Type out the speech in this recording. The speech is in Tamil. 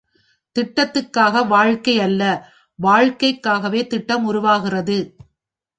திட்டத்துக்காக வாழ்க்கையல்ல வாழ்க்கைக்காகவே திட்டம் உருவாகிறது.